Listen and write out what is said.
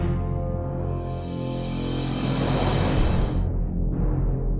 ที่สุดท้าย